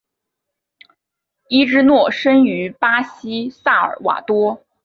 伊芝诺生于巴西萨尔瓦多。